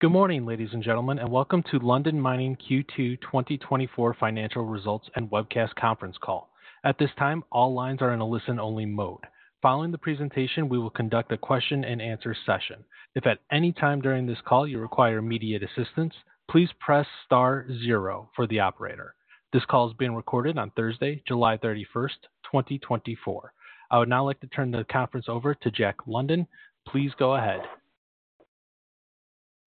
Good morning, ladies and gentlemen, and welcome to Lundin Mining Q2 2024 Financial Results and Webcast Conference Call. At this time, all lines are in a listen-only mode. Following the presentation, we will conduct a question-and-answer session. If at any time during this call you require immediate assistance, please press star zero for the operator. This call is being recorded on Thursday, July 31st, 2024. I would now like to turn the conference over to Jack Lundin. Please go ahead.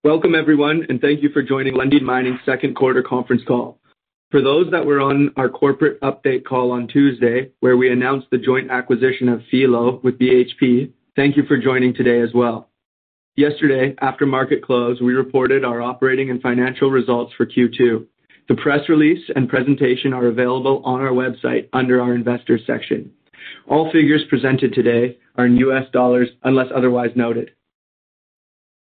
Welcome, everyone, and thank you for joining Lundin Mining's second quarter conference call. For those that were on our corporate update call on Tuesday, where we announced the joint acquisition of Filo with BHP, thank you for joining today as well. Yesterday, after market close, we reported our operating and financial results for Q2. The press release and presentation are available on our website under our Investors section. All figures presented today are in U.S. dollars, unless otherwise noted.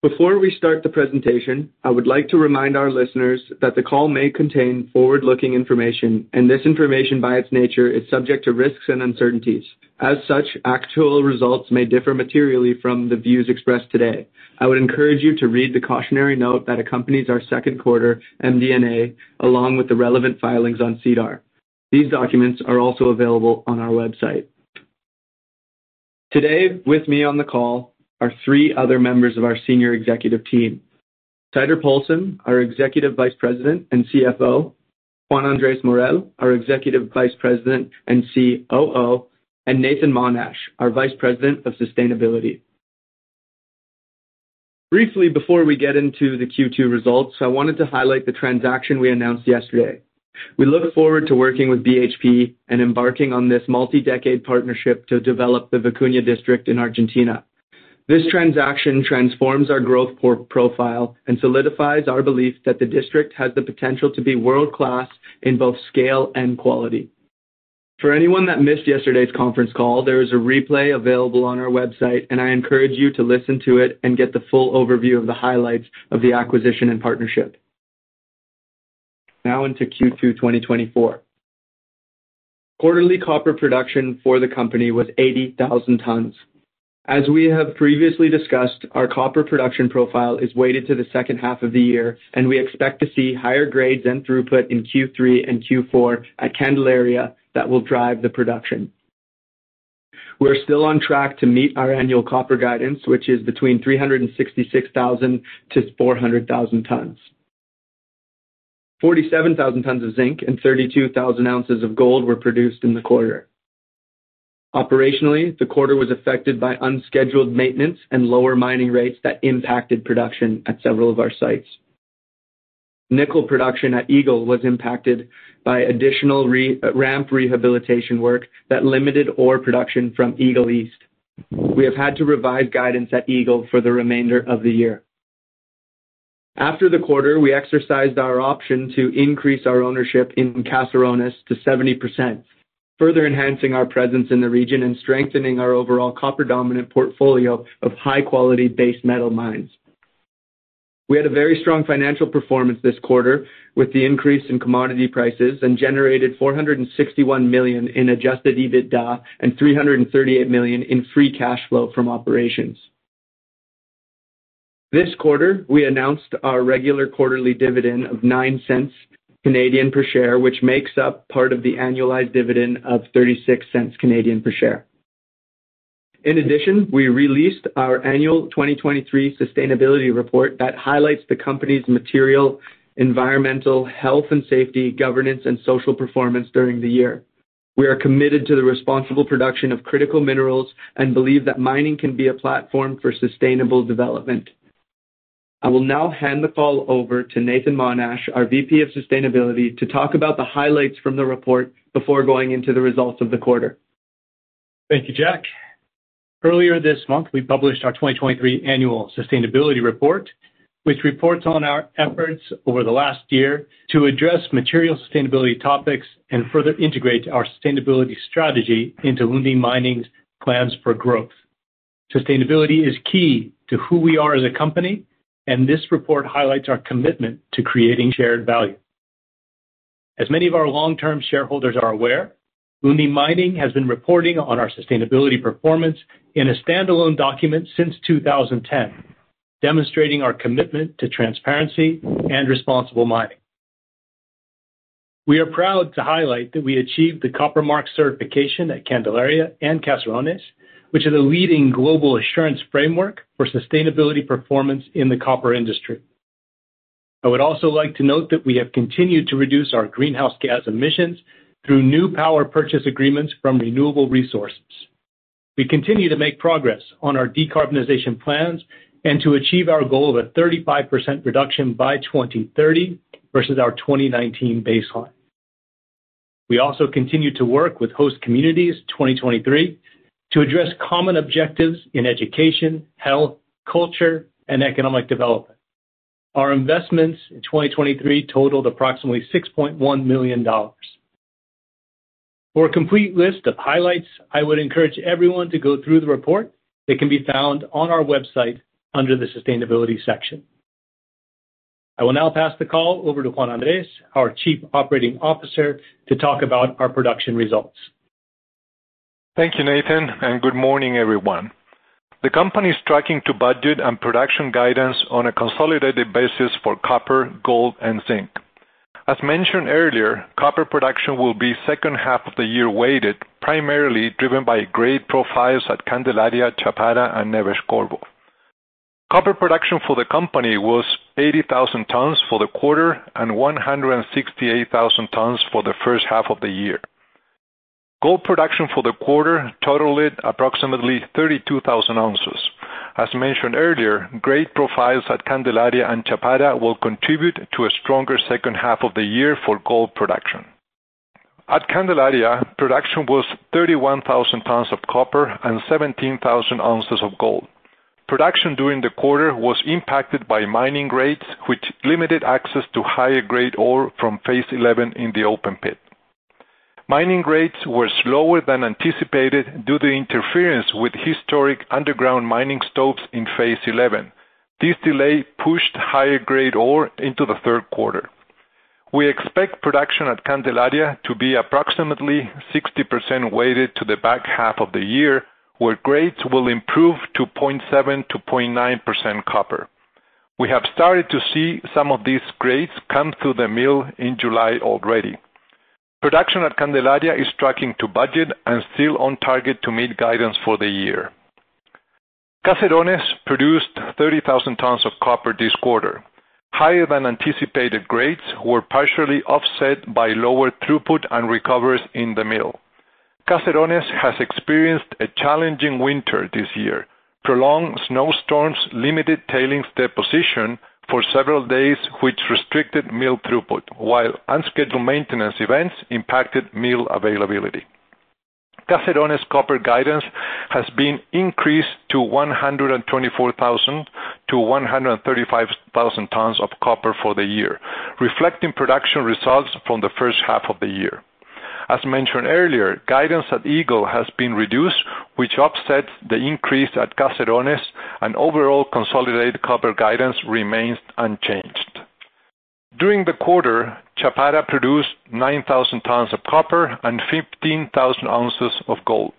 Before we start the presentation, I would like to remind our listeners that the call may contain forward-looking information, and this information, by its nature, is subject to risks and uncertainties. As such, actual results may differ materially from the views expressed today. I would encourage you to read the cautionary note that accompanies our second quarter MD&A, along with the relevant filings on SEDAR. These documents are also available on our website. Today, with me on the call are three other members of our senior executive team: Teitur Poulsen, our Executive Vice President and CFO, Juan Andres Morel, our Executive Vice President and COO, and Nathan Monash, our Vice President of Sustainability. Briefly, before we get into the Q2 results, I wanted to highlight the transaction we announced yesterday. We look forward to working with BHP and embarking on this multi-decade partnership to develop the Vicuña District in Argentina. This transaction transforms our growth port profile and solidifies our belief that the district has the potential to be world-class in both scale and quality. For anyone that missed yesterday's conference call, there is a replay available on our website, and I encourage you to listen to it and get the full overview of the highlights of the acquisition and partnership. Now into Q2 2024. Quarterly copper production for the company was 80,000 tons. As we have previously discussed, our copper production profile is weighted to the second half of the year, and we expect to see higher grades and throughput in Q3 and Q4 at Candelaria that will drive the production. We're still on track to meet our annual copper guidance, which is between 366,000 tons-400,000 tons. 47,000 tons of zinc and 32,000 ounces of gold were produced in the quarter. Operationally, the quarter was affected by unscheduled maintenance and lower mining rates that impacted production at several of our sites. Nickel production at Eagle was impacted by additional re-ramp rehabilitation work that limited ore production from Eagle East. We have had to revise guidance at Eagle for the remainder of the year. After the quarter, we exercised our option to increase our ownership in Caserones to 70%, further enhancing our presence in the region and strengthening our overall copper-dominant portfolio of high-quality base metal mines. We had a very strong financial performance this quarter with the increase in commodity prices and generated $461 million in adjusted EBITDA and $338 million in free cash flow from operations. This quarter, we announced our regular quarterly dividend of 0.09 per share, which makes up part of the annualized dividend of 0.36 per share. In addition, we released our annual 2023 sustainability report that highlights the company's material, environmental, health and safety, governance, and social performance during the year. We are committed to the responsible production of critical minerals and believe that mining can be a platform for sustainable development. I will now hand the call over to Nathan Monash, our VP of Sustainability, to talk about the highlights from the report before going into the results of the quarter. Thank you, Jack. Earlier this month, we published our 2023 Annual Sustainability Report, which reports on our efforts over the last year to address material sustainability topics and further integrate our sustainability strategy into Lundin Mining's plans for growth. Sustainability is key to who we are as a company, and this report highlights our commitment to creating shared value. As many of our long-term shareholders are aware, Lundin Mining has been reporting on our sustainability performance in a standalone document since 2010, demonstrating our commitment to transparency and responsible mining. We are proud to highlight that we achieved the Copper Mark certification at Candelaria and Caserones, which are the leading global assurance framework for sustainability performance in the copper industry. I would also like to note that we have continued to reduce our greenhouse gas emissions through new power purchase agreements from renewable resources. We continue to make progress on our decarbonization plans and to achieve our goal of a 35% reduction by 2030 versus our 2019 baseline. We also continue to work with host communities 2023 to address common objectives in education, health, culture, and economic development. Our investments in 2023 totaled approximately $6.1 million. For a complete list of highlights, I would encourage everyone to go through the report that can be found on our website under the Sustainability section. I will now pass the call over to Juan Andres, our Chief Operating Officer, to talk about our production results. Thank you, Nathan, and good morning, everyone. The company is tracking to budget and production guidance on a consolidated basis for copper, gold, and zinc. As mentioned earlier, copper production will be second half of the year weighted, primarily driven by grade profiles at Candelaria, Chapada, and Neves-Corvo. Copper production for the company was 80,000 tons for the quarter and 168,000 tons for the first half of the year. Gold production for the quarter totaled approximately 32,000 ounces. As mentioned earlier, grade profiles at Candelaria and Chapada will contribute to a stronger second half of the year for gold production. At Candelaria, production was 31,000 tons of copper and 17,000 ounces of gold. Production during the quarter was impacted by mining grades, which limited access to higher-grade ore from phase 11 in the open pit. Mining grades were slower than anticipated due to interference with historic underground mining stopes in phase 11. This delay pushed higher-grade ore into the third quarter. We expect production at Candelaria to be approximately 60% weighted to the back half of the year, where grades will improve to 0.7%-0.9% copper. We have started to see some of these grades come through the mill in July already. Production at Candelaria is tracking to budget and still on target to meet guidance for the year. Caserones produced 30,000 tons of copper this quarter. Higher than anticipated grades were partially offset by lower throughput and recoveries in the mill. Caserones has experienced a challenging winter this year. Prolonged snowstorms, limited tailings deposition for several days, which restricted mill throughput, while unscheduled maintenance events impacted mill availability. Caserones copper guidance has been increased to 124,000 tons-135,000 tons of copper for the year, reflecting production results from the first half of the year. As mentioned earlier, guidance at Eagle has been reduced, which offsets the increase at Caserones, and overall consolidated copper guidance remains unchanged. During the quarter, Chapada produced 9,000 tons of copper and 15,000 ounces of gold.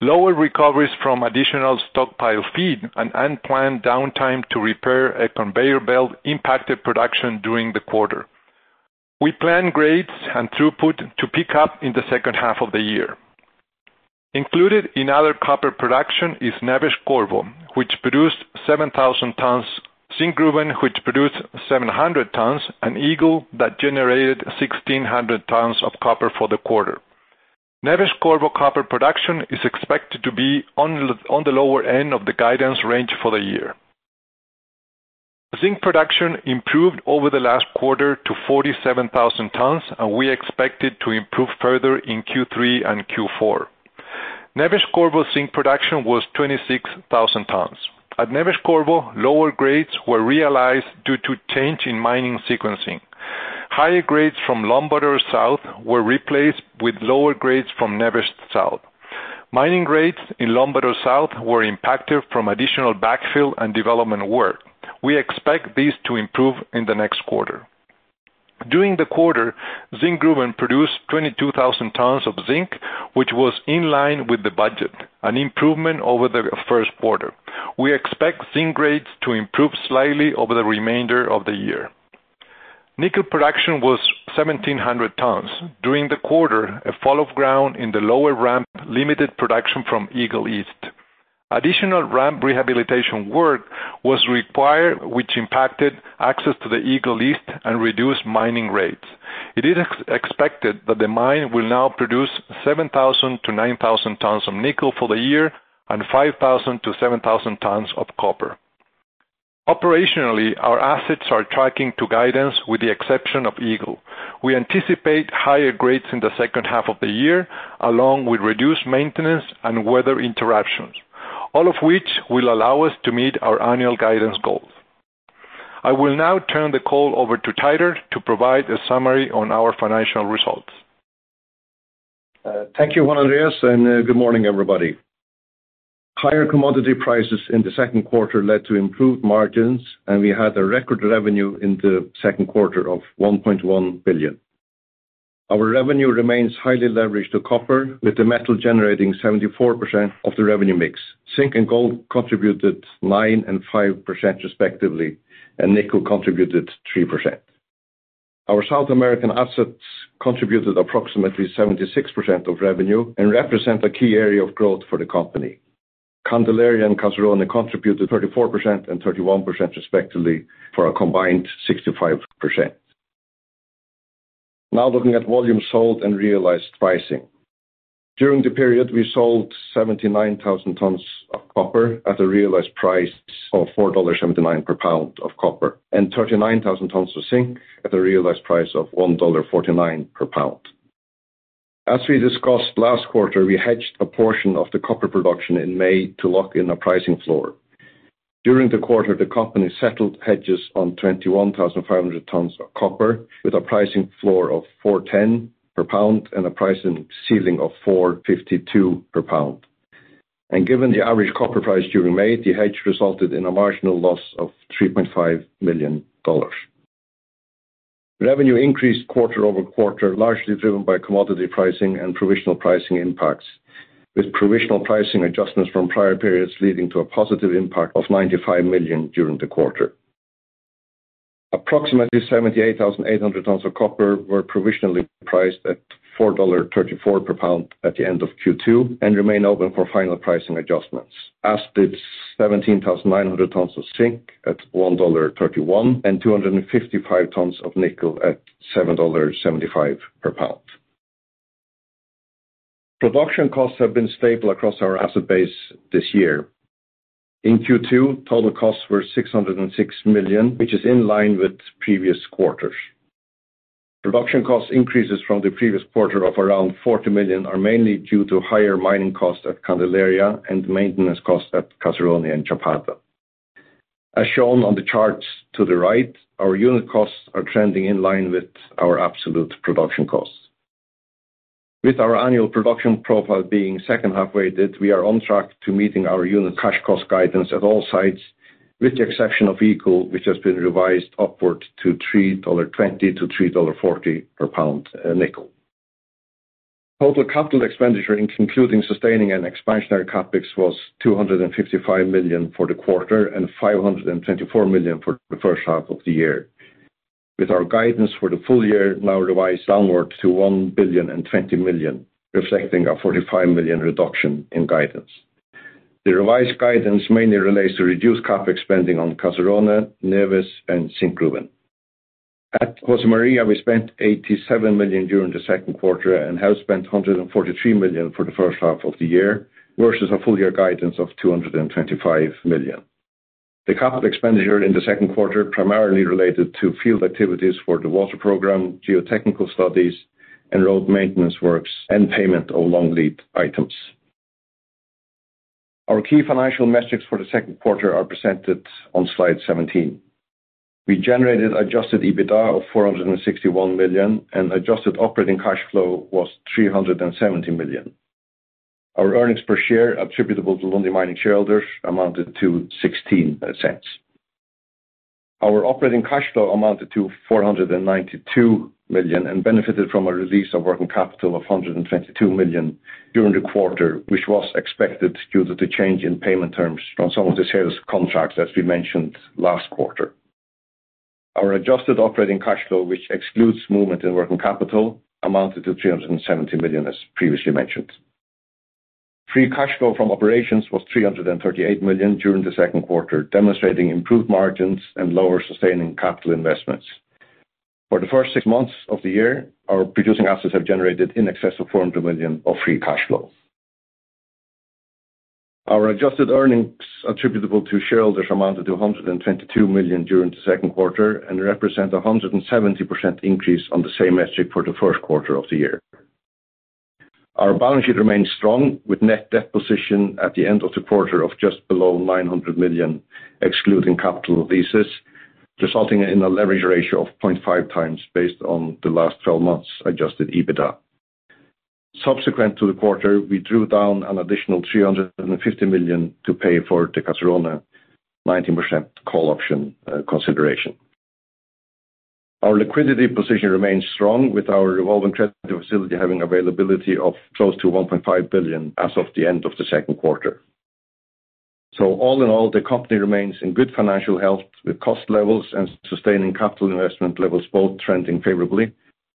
Lower recoveries from additional stockpile feed and unplanned downtime to repair a conveyor belt impacted production during the quarter. We plan grades and throughput to pick up in the second half of the year. Included in other copper production is Neves-Corvo, which produced 7,000 tons, Zinkgruvan, which produced 700 tons, and Eagle, that generated 1,600 tons of copper for the quarter. Neves-Corvo copper production is expected to be on the lower end of the guidance range for the year. Zinc production improved over the last quarter to 47,000 tons, and we expect it to improve further in Q3 and Q4. Neves-Corvo zinc production was 26,000 tons. At Neves-Corvo, lower grades were realized due to change in mining sequencing. Higher grades from Lombador South were replaced with lower grades from Neves South. Mining grades in Lombador South were impacted from additional backfill and development work. We expect this to improve in the next quarter. During the quarter, Zinkgruvan produced 22,000 tons of zinc, which was in line with the budget, an improvement over the first quarter. We expect zinc grades to improve slightly over the remainder of the year. Nickel production was 1,700 tons. During the quarter, a fall of ground in the lower ramp limited production from Eagle East. Additional ramp rehabilitation work was required, which impacted access to the Eagle East and reduced mining rates. It is expected that the mine will now produce 7,000 tons-9,000 tons of nickel for the year and 5,000 tons-7,000 tons of copper. Operationally, our assets are tracking to guidance with the exception of Eagle. We anticipate higher grades in the second half of the year, along with reduced maintenance and weather interruptions, all of which will allow us to meet our annual guidance goals. I will now turn the call over to Teitur to provide a summary on our financial results. Thank you, Juan Andres, and good morning, everybody. Higher commodity prices in the second quarter led to improved margins, and we had a record revenue in the second quarter of $1.1 billion. Our revenue remains highly leveraged to copper, with the metal generating 74% of the revenue mix. Zinc and gold contributed 9% and 5%, respectively, and nickel contributed 3%. Our South American assets contributed approximately 76% of revenue and represent a key area of growth for the company. Candelaria and Caserones contributed 34% and 31%, respectively, for a combined 65%. Now looking at volumes sold and realized pricing. During the period, we sold 79,000 tons of copper at a realized price of $4.79 per pound of copper, and 39,000 tons of zinc at a realized price of $1.49 per pound. As we discussed last quarter, we hedged a portion of the copper production in May to lock in a pricing floor. During the quarter, the company settled hedges on 21,500 tons of copper with a pricing floor of $4.10 per pound and a pricing ceiling of $4.52 per pound. And given the average copper price during May, the hedge resulted in a marginal loss of $3.5 million. Revenue increased quarter-over-quarter, largely driven by commodity pricing and provisional pricing impacts, with provisional pricing adjustments from prior periods leading to a positive impact of $95 million during the quarter. Approximately 78,800 tons of copper were provisionally priced at $4.34 per pound at the end of Q2, and remain open for final pricing adjustments, as did 17,900 tons of zinc at $1.31, and 255 tons of nickel at $7.75 per pound. Production costs have been stable across our asset base this year. In Q2, total costs were $606 million, which is in line with previous quarters. Production cost increases from the previous quarter of around $40 million are mainly due to higher mining costs at Candelaria and maintenance costs at Caserones and Chapada. As shown on the charts to the right, our unit costs are trending in line with our absolute production costs. With our annual production profile being second half weighted, we are on track to meeting our unit cash cost guidance at all sites, with the exception of Eagle, which has been revised upward to $3.20-$3.40 per pound nickel. Total capital expenditure, including sustaining and expansionary CapEx, was $255 million for the quarter and $524 million for the first half of the year, with our guidance for the full year now revised downwards to $1.02 billion, reflecting a $45 million reduction in guidance. The revised guidance mainly relates to reduced CapEx spending on Caserones, Neves, and Zinkgruvan. At Josemaria, we spent $87 million during the second quarter and have spent $143 million for the first half of the year, versus a full year guidance of $225 million. The capital expenditure in the second quarter primarily related to field activities for the water program, geotechnical studies, and road maintenance works and payment of long lead items. Our key financial metrics for the second quarter are presented on slide 17. We generated adjusted EBITDA of $461 million, and adjusted operating cash flow was $370 million. Our earnings per share attributable to Lundin Mining shareholders amounted to $0.16. Our operating cash flow amounted to $492 million and benefited from a release of working capital of $122 million during the quarter, which was expected due to the change in payment terms from some of the sales contracts, as we mentioned last quarter. Our adjusted operating cash flow, which excludes movement in working capital, amounted to $370 million, as previously mentioned. Free cash flow from operations was $338 million during the second quarter, demonstrating improved margins and lower sustaining capital investments. For the first six months of the year, our producing assets have generated in excess of $400 million of free cash flow. Our adjusted earnings attributable to shareholders amounted to $122 million during the second quarter and represent a 170% increase on the same metric for the first quarter of the year. Our balance sheet remains strong, with net debt position at the end of the quarter of just below $900 million, excluding capital leases, resulting in a leverage ratio of 0.5x based on the last twelve months adjusted EBITDA. Subsequent to the quarter, we drew down an additional $350 million to pay for the Caserones 19% call option, consideration. Our liquidity position remains strong, with our revolving credit facility having availability of close to $1.5 billion as of the end of the second quarter. So all in all, the company remains in good financial health, with cost levels and sustaining capital investment levels both trending favorably,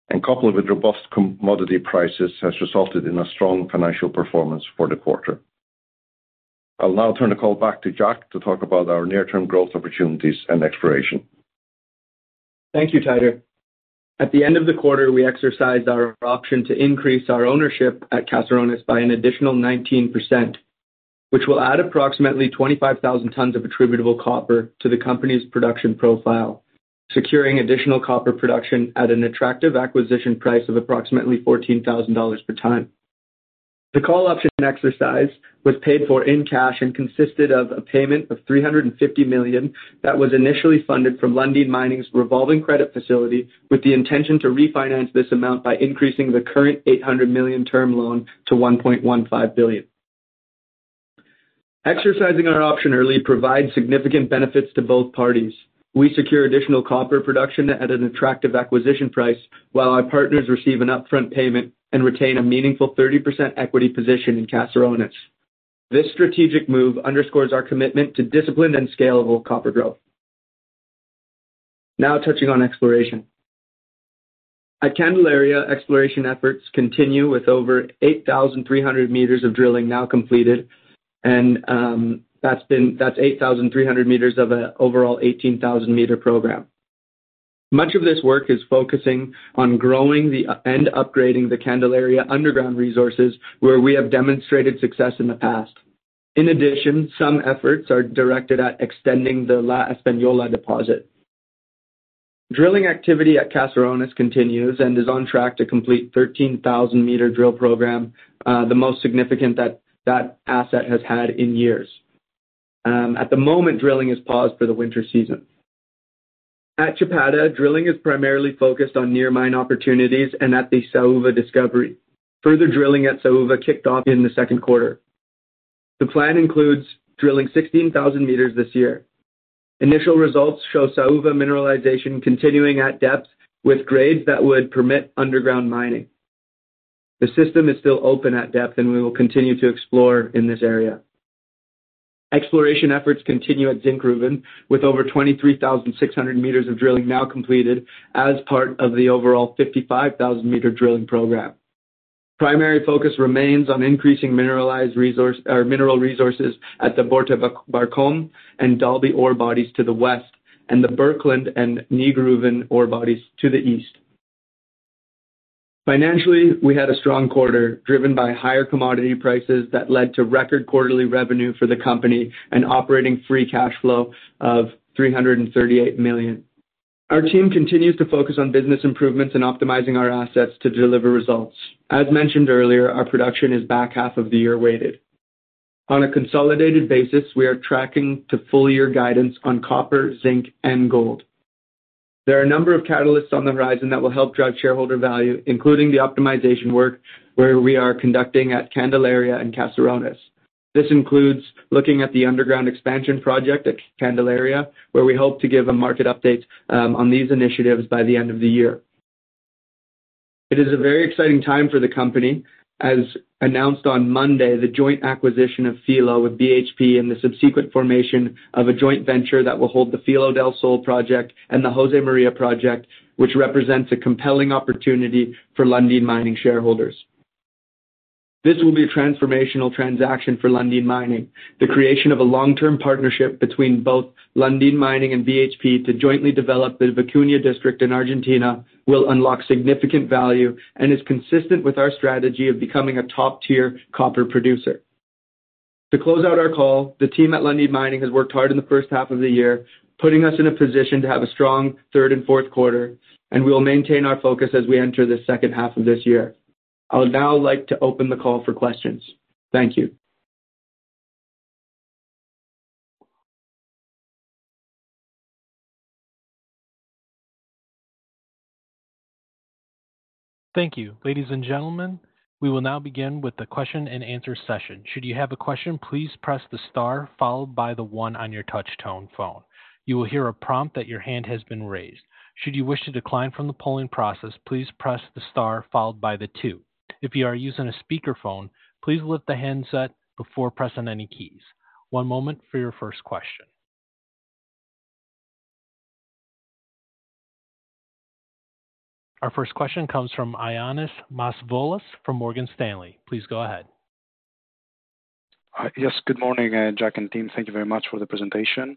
and coupled with robust commodity prices, has resulted in a strong financial performance for the quarter. I'll now turn the call back to Jack to talk about our near-term growth opportunities and exploration. Thank you, Teitur. At the end of the quarter, we exercised our option to increase our ownership at Caserones by an additional 19%, which will add approximately 25,000 tons of attributable copper to the company's production profile, securing additional copper production at an attractive acquisition price of approximately $14,000 per ton. The call option exercise was paid for in cash and consisted of a payment of $350 million that was initially funded from Lundin Mining's revolving credit facility, with the intention to refinance this amount by increasing the current $800 million term loan to $1.15 billion. Exercising our option early provides significant benefits to both parties. We secure additional copper production at an attractive acquisition price, while our partners receive an upfront payment and retain a meaningful 30% equity position in Caserones. This strategic move underscores our commitment to disciplined and scalable copper growth. Now touching on exploration. At Candelaria, exploration efforts continue, with over 8,300 meters of drilling now completed, and that's 8,300 meters of an overall 18,000-meter program. Much of this work is focusing on growing the, and upgrading the Candelaria underground resources, where we have demonstrated success in the past. In addition, some efforts are directed at extending the La Española deposit. Drilling activity at Caserones continues and is on track to complete 13,000-meter drill program, the most significant that that asset has had in years. At the moment, drilling is paused for the winter season. At Chapada, drilling is primarily focused on near mine opportunities and at the Saúva discovery. Further drilling at Saúva kicked off in the second quarter. The plan includes drilling 16,000 meters this year. Initial results show Saúva mineralization continuing at depth, with grades that would permit underground mining. The system is still open at depth, and we will continue to explore in this area. Exploration efforts continue at Zinkgruvan, with over 23,600 meters of drilling now completed as part of the overall 55,000-meter drilling program. Primary focus remains on increasing mineralized resource, or mineral resources at the Bortre, Burkland, and Dalby ore bodies to the west, and the Burkland and Nygruvan ore bodies to the east. Financially, we had a strong quarter, driven by higher commodity prices that led to record quarterly revenue for the company and operating free cash flow of $338 million. Our team continues to focus on business improvements and optimizing our assets to deliver results. As mentioned earlier, our production is back half of the year weighted. On a consolidated basis, we are tracking to full year guidance on copper, zinc, and gold. There are a number of catalysts on the horizon that will help drive shareholder value, including the optimization work where we are conducting at Candelaria and Caserones. This includes looking at the underground expansion project at Candelaria, where we hope to give a market update, on these initiatives by the end of the year. It is a very exciting time for the company. As announced on Monday, the joint acquisition of Filo with BHP and the subsequent formation of a joint venture that will hold the Filo del Sol project and the Josemaria project, which represents a compelling opportunity for Lundin Mining shareholders. This will be a transformational transaction for Lundin Mining. The creation of a long-term partnership between both Lundin Mining and BHP to jointly develop the Vicuña District in Argentina will unlock significant value and is consistent with our strategy of becoming a top-tier copper producer. To close out our call, the team at Lundin Mining has worked hard in the first half of the year, putting us in a position to have a strong third and fourth quarter, and we will maintain our focus as we enter the second half of this year. I would now like to open the call for questions. Thank you. Thank you. Ladies and gentlemen, we will now begin with the question-and-answer session. Should you have a question, please press the star followed by the one on your touch tone phone. You will hear a prompt that your hand has been raised. Should you wish to decline from the polling process, please press the star followed by the two. If you are using a speakerphone, please lift the handset before pressing any keys. One moment for your first question. Our first question comes from Ioannis Masvoulis from Morgan Stanley. Please go ahead. Hi. Yes, good morning, Jack and team. Thank you very much for the presentation.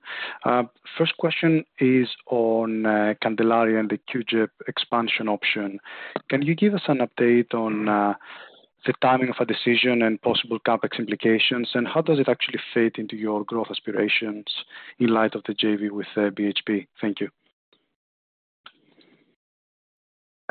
First question is on, Candelaria and the CUGEP expansion option. Can you give us an update on, the timing of a decision and possible CapEx implications? And how does it actually fit into your growth aspirations in light of the JV with, BHP? Thank you.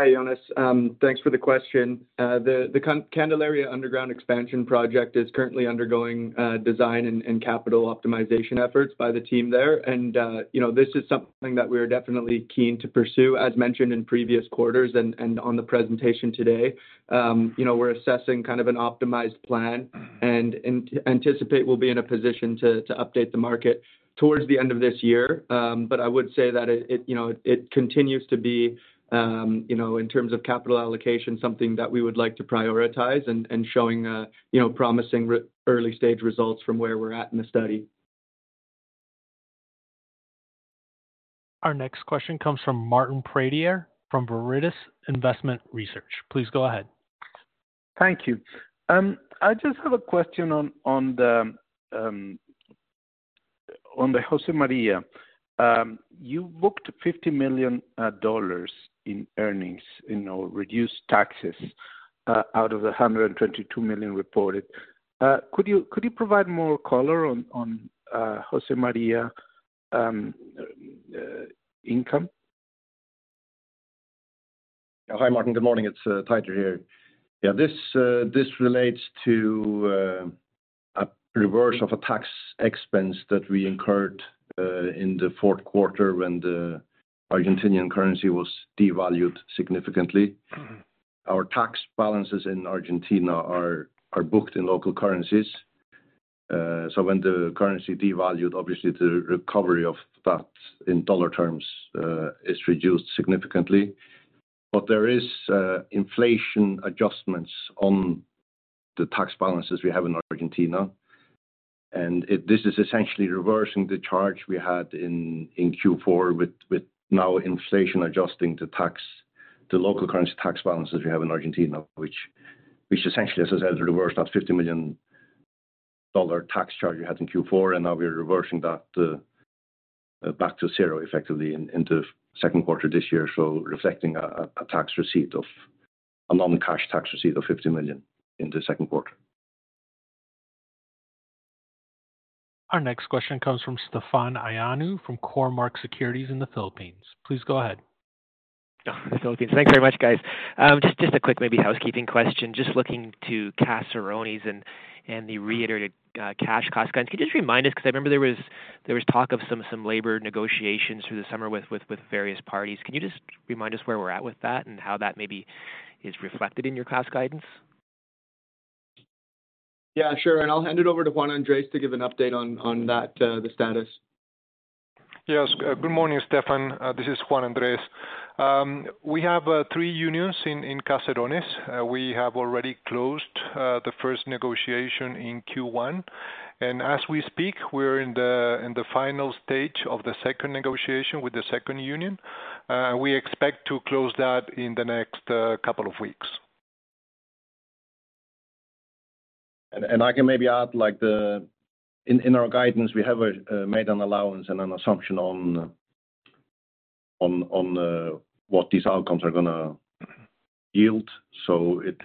Hi, Ioannis. Thanks for the question. The Candelaria underground expansion project is currently undergoing design and capital optimization efforts by the team there. You know, this is something that we are definitely keen to pursue, as mentioned in previous quarters and on the presentation today. You know, we're assessing kind of an optimized plan and anticipate we'll be in a position to update the market towards the end of this year. But I would say that it, you know, it continues to be, you know, in terms of capital allocation, something that we would like to prioritize and showing, you know, promising early stage results from where we're at in the study. Our next question comes from Martin Pradier from Veritas Investment Research. Please go ahead. Thank you. I just have a question on the Josemaria. You booked $50 million in earnings, in reduced taxes, out of the $122 million reported. Could you provide more color on Josemaria income? Hi, Martin. Good morning. It's Teitur here. Yeah, this relates to a reverse of a tax expense that we incurred in the fourth quarter when the Argentinian currency was devalued significantly. Our tax balances in Argentina are booked in local currencies. So when the currency devalued, obviously the recovery of that in dollar terms is reduced significantly. But there is inflation adjustments on the tax balances we have in Argentina, and this is essentially reversing the charge we had in Q4 with now inflation adjusting the tax, the local currency tax balances we have in Argentina, which essentially, as I said, reversed that $50 million tax charge we had in Q4, and now we're reversing that back to zero, effectively, in the second quarter this year. So reflecting a tax receipt of... A non-cash tax receipt of $50 million in the second quarter. Our next question comes from Stefan Ioannou from Cormark Securities in the Philippines. Please go ahead. Thanks very much, guys. Just, just a quick maybe housekeeping question. Just looking to Caserones and, and the reiterated cash cost guide. Can you just remind us, because I remember there was, there was talk of some, some labor negotiations through the summer with, with, with various parties. Can you just remind us where we're at with that and how that may be- Is reflected in your class guidance? Yeah, sure, and I'll hand it over to Juan Andrés to give an update on that, the status. Yes, good morning, Stefan. This is Juan Andres. We have three unions in Caserones. We have already closed the first negotiation in Q1, and as we speak, we're in the final stage of the second negotiation with the second union. We expect to close that in the next couple of weeks. And I can maybe add, like, in our guidance, we have made an allowance and an assumption on what these outcomes are gonna yield. So it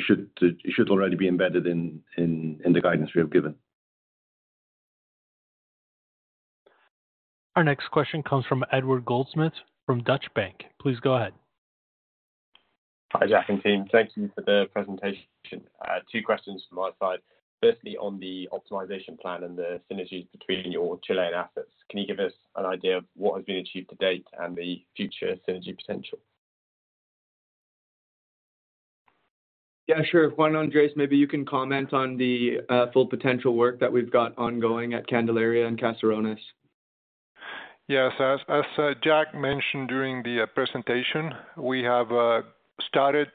should already be embedded in the guidance we have given. Our next question comes from Edward Goldsmith from Deutsche Bank. Please go ahead. Hi, Jack and team. Thank you for the presentation. Two questions from my side. Firstly, on the optimization plan and the synergies between your Chilean assets, can you give us an idea of what has been achieved to date and the future synergy potential? Yeah, sure. Juan Andrés, maybe you can comment on the Full Potential work that we've got ongoing at Candelaria and Caserones. Yes, as Jack mentioned during the presentation, we have started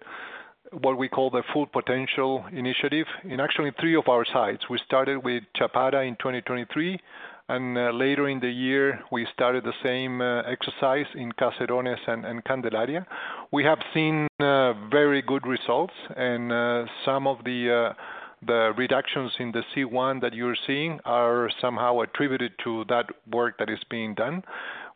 what we call the Full Potential initiative in actually three of our sites. We started with Chapada in 2023, and later in the year, we started the same exercise in Caserones and Candelaria. We have seen very good results, and some of the reductions in the C1 that you're seeing are somehow attributed to that work that is being done.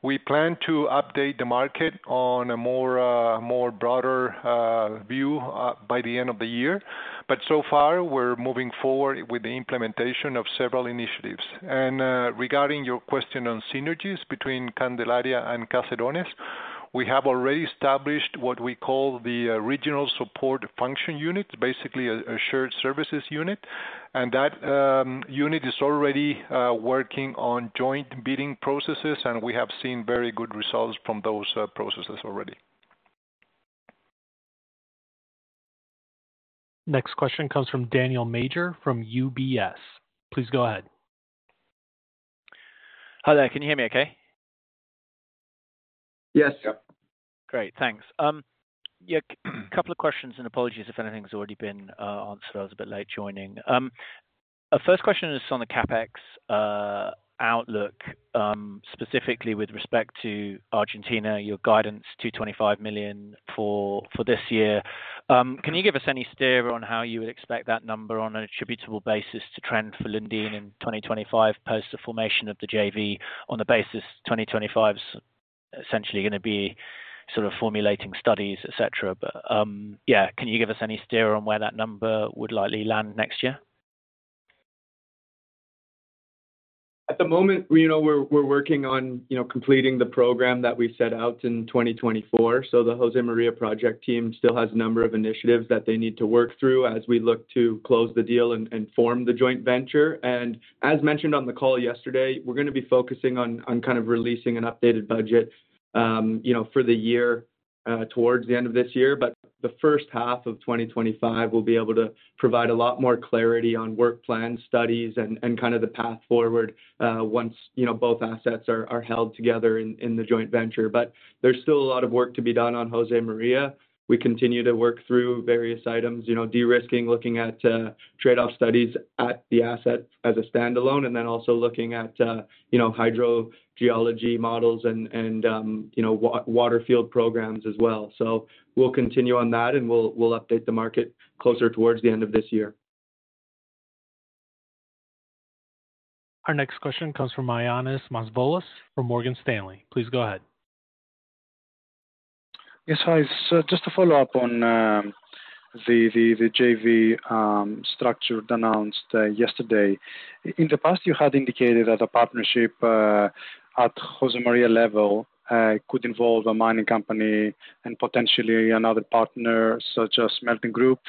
We plan to update the market on a more broader view by the end of the year. But so far, we're moving forward with the implementation of several initiatives. Regarding your question on synergies between Candelaria and Caserones, we have already established what we call the regional support function unit, basically a shared services unit. That unit is already working on joint bidding processes, and we have seen very good results from those processes already. Next question comes from Daniel Major from UBS. Please go ahead. Hi there, can you hear me okay? Yes. Yep. Great, thanks. Yeah, couple of questions, and apologies if anything's already been answered. I was a bit late joining. Our first question is on the CapEx outlook, specifically with respect to Argentina, your guidance, $225 million for this year. Can you give us any steer on how you would expect that number on an attributable basis to trend for Lundin in 2025, post the formation of the JV on the basis 2025's essentially gonna be sort of formulating studies, et cetera. Yeah, can you give us any steer on where that number would likely land next year? At the moment, you know, we're working on completing the program that we set out in 2024. So the Josemaria project team still has a number of initiatives that they need to work through as we look to close the deal and form the joint venture. And as mentioned on the call yesterday, we're gonna be focusing on kind of releasing an updated budget, you know, for the year towards the end of this year. But the first half of 2025, we'll be able to provide a lot more clarity on work plan studies and kind of the path forward once, you know, both assets are held together in the joint venture. But there's still a lot of work to be done on Josemaria. We continue to work through various items, you know, de-risking, looking at trade-off studies at the asset as a standalone, and then also looking at, you know, hydrogeology models and, you know, water field programs as well. So we'll continue on that, and we'll update the market closer towards the end of this year. Our next question comes from Ioannis Masvoulas for Morgan Stanley. Please go ahead. Yes, hi. So just to follow up on the JV structure announced yesterday. In the past, you had indicated that a partnership at Josemaria level could involve a mining company and potentially another partner, such as smelting group.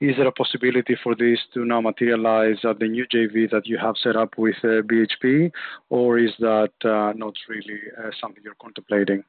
Is there a possibility for this to now materialize at the new JV that you have set up with BHP, or is that not really something you're contemplating?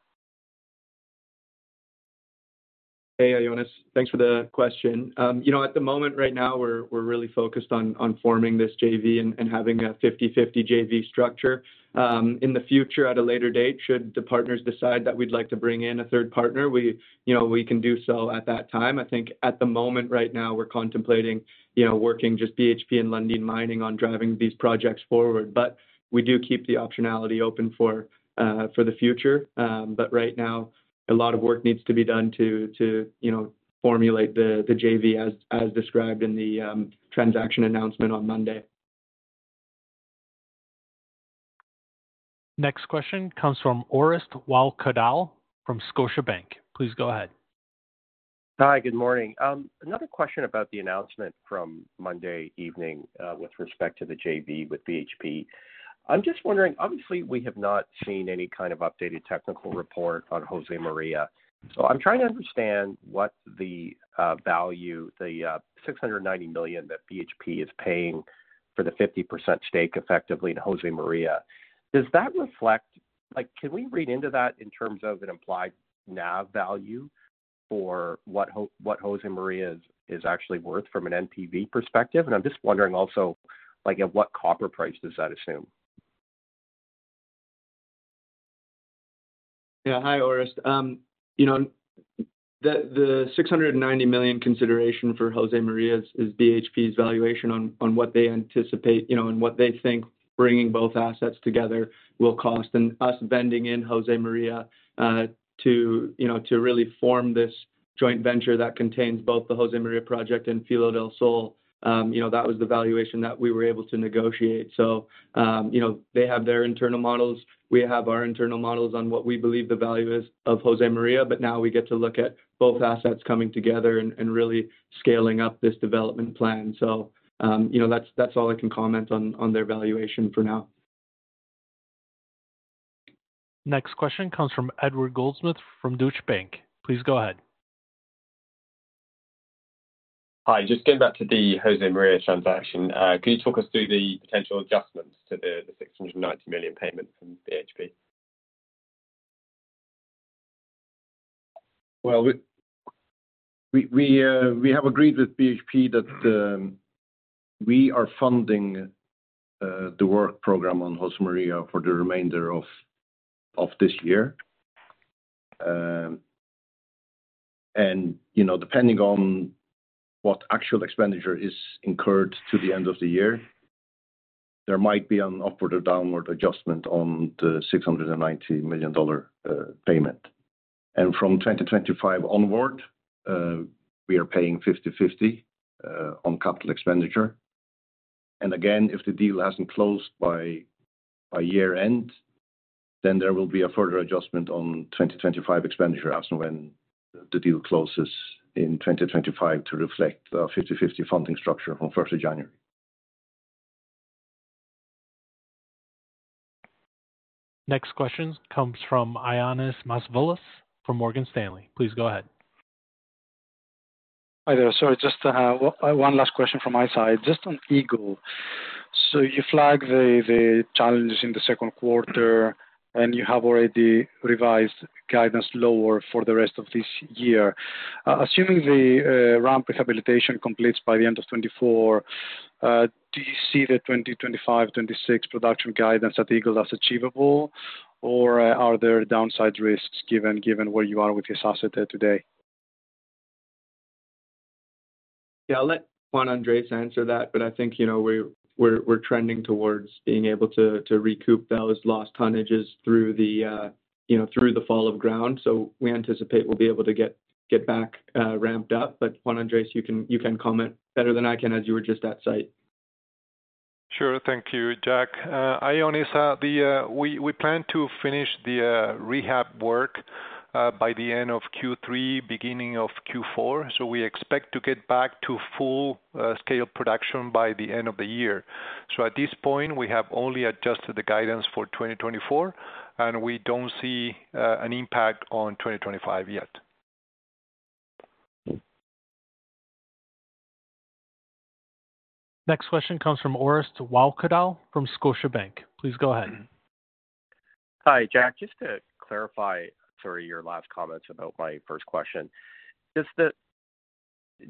Hey, Ioannis, thanks for the question. You know, at the moment right now, we're really focused on forming this JV and having a 50/50 JV structure. In the future, at a later date, should the partners decide that we'd like to bring in a third partner, you know, we can do so at that time. I think at the moment, right now, we're contemplating, you know, working just BHP and Lundin Mining on driving these projects forward. But we do keep the optionality open for the future. But right now, a lot of work needs to be done to, you know, formulate the JV, as described in the transaction announcement on Monday. Next question comes from Orest Wowkodaw from Scotiabank. Please go ahead. Hi, good morning. Another question about the announcement from Monday evening, with respect to the JV with BHP. I'm just wondering, obviously, we have not seen any kind of updated technical report on Josemaria, so I'm trying to understand what the value, the $690 million that BHP is paying for the 50% stake, effectively, in Josemaria. Does that reflect? Like, can we read into that in terms of an implied NAV value for what Josemaria is actually worth from an NPV perspective? And I'm just wondering also, like, at what copper price does that assume? Yeah. Hi, Orest. You know, the $690 million consideration for Josemaria is BHP's valuation on what they anticipate, you know, and what they think bringing both assets together will cost. And us vending in Josemaria to, you know, to really form this joint venture that contains both the Josemaria project and Filo del Sol, you know, that was the valuation that we were able to negotiate. So, you know, they have their internal models, we have our internal models on what we believe the value is of Josemaria, but now we get to look at both assets coming together and really scaling up this development plan. So, you know, that's all I can comment on, on their valuation for now. Next question comes from Edward Goldsmith from Deutsche Bank. Please go ahead. Hi, just going back to the Josemaria transaction. Can you talk us through the potential adjustments to the $690 million payment from BHP? Well, we have agreed with BHP that we are funding the work program on Josemaria for the remainder of this year. And, you know, depending on what actual expenditure is incurred to the end of the year, there might be an upward or downward adjustment on the $690 million payment. And from 2025 onward, we are paying 50/50 on capital expenditure. And again, if the deal hasn't closed by year-end, then there will be a further adjustment on 2025 expenditure as and when the deal closes in 2025 to reflect the 50/50 funding structure from first of January. Next question comes from Ioannis Masvoulis from Morgan Stanley. Please go ahead. Hi there. Sorry, just one last question from my side. Just on Eagle. So you flagged the challenges in the second quarter, and you have already revised guidance lower for the rest of this year. Assuming the ramp rehabilitation completes by the end of 2024, do you see the 2025, 2026 production guidance at Eagle as achievable, or are there downside risks given where you are with this asset today? Yeah, I'll let Juan Andres answer that, but I think, you know, we're trending towards being able to to recoup those lost tonnages through the, you know, through the fall of ground. So we anticipate we'll be able to get back ramped up. But Juan Andres, you can comment better than I can, as you were just at site. Sure. Thank you, Jack. Ioannis, the, we plan to finish the rehab work by the end of Q3, beginning of Q4, so we expect to get back to full scale production by the end of the year. So at this point, we have only adjusted the guidance for 2024, and we don't see an impact on 2025 yet. Next question comes from Orest Wowkodaw from Scotiabank. Please go ahead. Hi, Jack. Just to clarify, sorry, your last comments about my first question. Does the,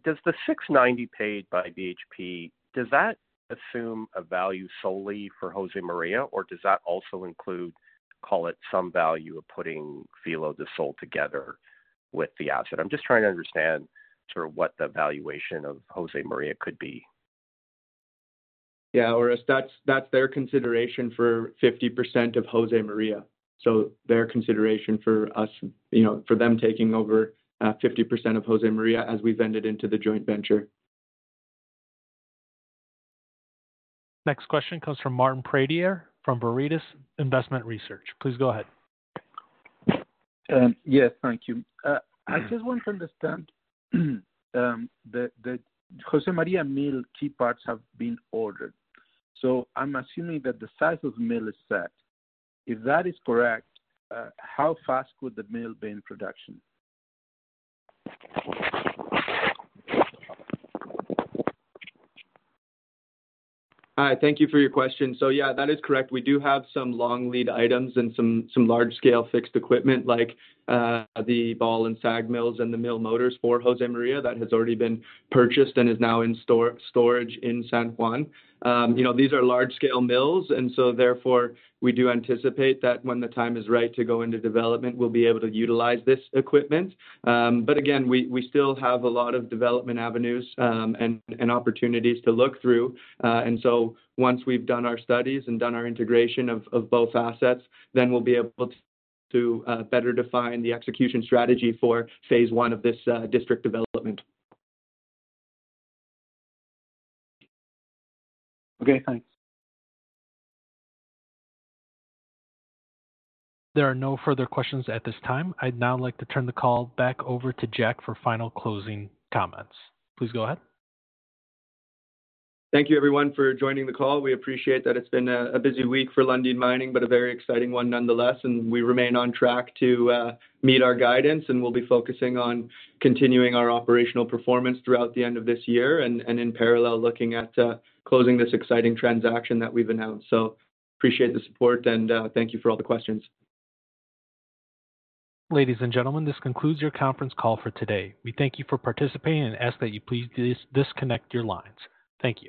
does the $690 paid by BHP, does that assume a value solely for Josemaria, or does that also include, call it, some value of putting Filo del Sol together with the asset? I'm just trying to understand sort of what the valuation of Josemaria could be. Yeah, Orest, that's their consideration for 50% of Josemaria. So their consideration for us, you know, for them taking over 50% of Josemaria as we vended into the joint venture. Next question comes from Martin Pradier, from Veritas Investment Research. Please go ahead. Yes, thank you. I just want to understand, the Josemaria mill key parts have been ordered, so I'm assuming that the size of the mill is set. If that is correct, how fast could the mill be in production? Hi, thank you for your question. So yeah, that is correct. We do have some long lead items and some large-scale fixed equipment, like, the ball and SAG mills and the mill motors for Josemaria that has already been purchased and is now in storage in San Juan. You know, these are large-scale mills, and so therefore, we do anticipate that when the time is right to go into development, we'll be able to utilize this equipment. But again, we still have a lot of development avenues and opportunities to look through. And so once we've done our studies and done our integration of both assets, then we'll be able to better define the execution strategy for phase one of this district development. Okay, thanks. There are no further questions at this time. I'd now like to turn the call back over to Jack for final closing comments. Please go ahead. Thank you, everyone, for joining the call. We appreciate that it's been a busy week for Lundin Mining, but a very exciting one nonetheless, and we remain on track to meet our guidance. We'll be focusing on continuing our operational performance throughout the end of this year, and in parallel, looking at closing this exciting transaction that we've announced. So appreciate the support, and thank you for all the questions. Ladies and gentlemen, this concludes your conference call for today. We thank you for participating and ask that you please disconnect your lines. Thank you.